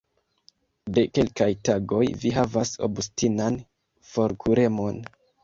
De kelkaj tagoj, vi havas obstinan forkuremon.